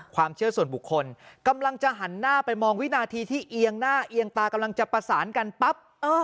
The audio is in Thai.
ความเชื่อส่วนบุคคลกำลังจะหันหน้าไปมองวินาทีที่เอียงหน้าเอียงตากำลังจะประสานกันปั๊บ